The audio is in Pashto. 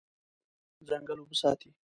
ځنګل اوبه ساتي.